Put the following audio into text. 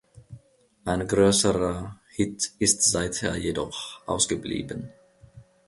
Ein größerer Hit ist seither jedoch ausgeblieben.